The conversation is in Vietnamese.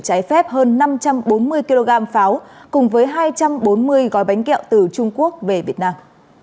trái phép hơn năm trăm bốn mươi kg pháo cùng với hai trăm bốn mươi gói bánh kẹo từ trung quốc về việt nam